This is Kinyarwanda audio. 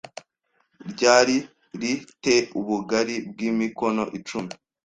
Ryari ri te ubugari bw imikono icumi